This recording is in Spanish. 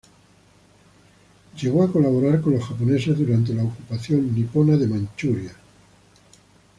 Llegó a colaborar con los japoneses durante la ocupación nipona de Manchuria.